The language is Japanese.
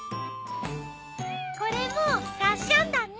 これもがっしゃんだね。